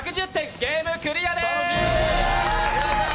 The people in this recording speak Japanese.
ゲームクリアです。